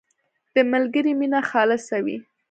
• د ملګري مینه خالصه وي.